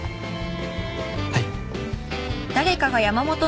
はい。